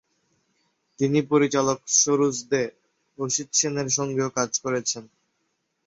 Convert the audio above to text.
তিনি পরিচালক সরোজ দে, অসিত সেনের সঙ্গেও কাজ করেছেন।